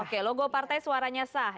oke logo partai suaranya sah